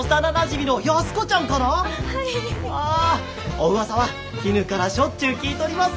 おうわさはきぬからしょっちゅう聞いとります。